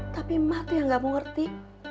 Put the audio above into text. tapi emang tuh yang gak mau ngerti